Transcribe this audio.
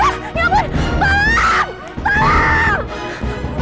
bapak bapak bapak